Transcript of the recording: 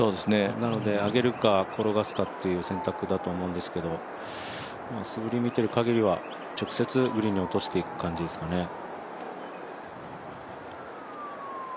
なので上げるか転がすかという選択だと思うんですけど素振りを見ている限りは直接グリーンに落としていく感じですかね。